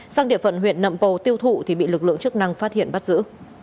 sang địa phận huyện nầm bồ tiêu thụ thì bị lực lượng chức năng phát hiện bắt giữ